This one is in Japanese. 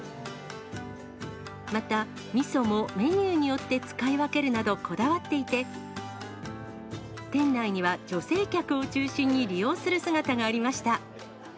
また、みそもメニューによって使い分けるなど、こだわっていて、店内には女性客を中心に利用する姿がありました。